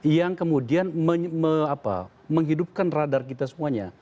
yang kemudian menghidupkan radar kita semuanya